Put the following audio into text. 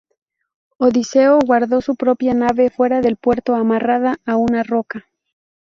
Odiseo guardó su propia nave fuera del puerto, amarrada a una roca.